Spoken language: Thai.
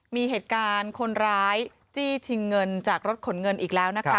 มีเหตุการณ์คนร้ายจี้ชิงเงินจากรถขนเงินอีกแล้วนะคะ